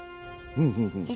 ふんふん。